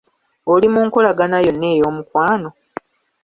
Oli mu nkolagana yonna ey'omukwano?